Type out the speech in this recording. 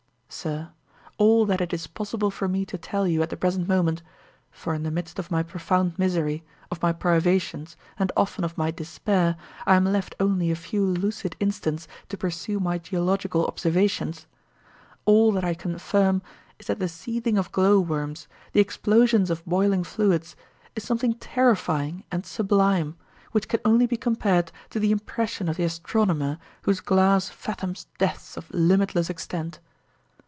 "Sir, all that it is possible for me to tell you at the present moment for in the midst of my profound misery, of my privations, and often of my despair, I am left only a few lucid instants to pursue my geological observations all that I can affirm is that the seething of glow worms, the explosions of boiling fluids, is something terrifying and sublime, which can only be compared to the impression of the astronomer whose glass fathoms depths of limitless extent.